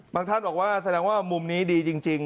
ท่านบอกว่าแสดงว่ามุมนี้ดีจริง